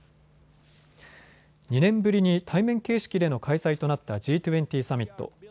２年ぶりに対面形式での開催となったＧ２０サミット。